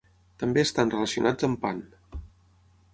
També estan relacionats amb Pan.